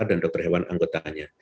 dan dokter hewan anggotanya